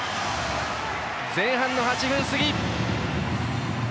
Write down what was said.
前半の８分過ぎ。